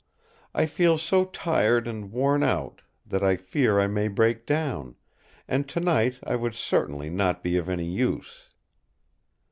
I feel so tired and worn out that I fear I may break down; and tonight I would certainly not be of any use."